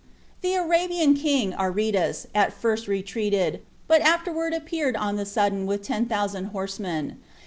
The Arabian king [Aretas] at first retreated, but afterward appeared on the sudden with ten thousand horsemen.